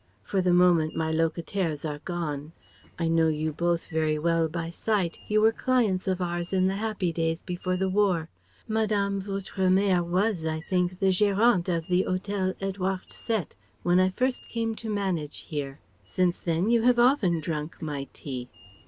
For the moment my locataires are gone. I know you both very well by sight, you were clients of ours in the happy days before the War. Madame votre mère was, I think, the gérante of the Hotel Édouard Sept when I first came to manage here. Since then, you have often drunk my tea.